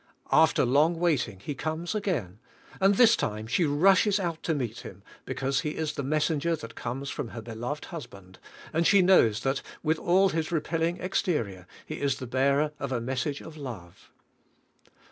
After long wait ing he comes again, and this time she rushes out to meet him because he is the messenger that comes from her beloved husband, and she knows that with all his repelling exterior, he is the bearer of a message of love.